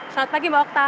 selamat pagi mbak okta